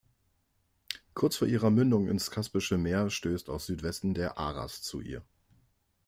Kurz vor ihrer Mündung ins Kaspische Meer stößt aus Südwesten der Aras zu ihr.